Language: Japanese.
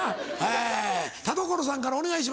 え田所さんからお願いします。